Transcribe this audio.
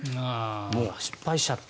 もう失敗しちゃった。